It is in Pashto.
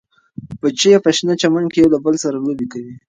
بچي یې په شنه چمن کې یو له بل سره لوبې کوي.